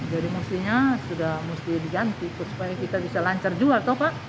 jadi mestinya sudah mesti diganti supaya kita bisa lancar jual